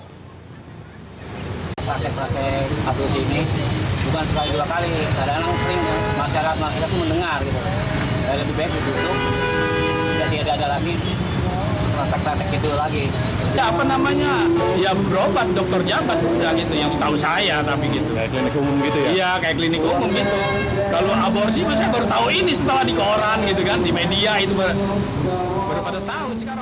kalau aborsi bisa bertahun tahun ini setelah di koran di media itu berapa tahun sekarang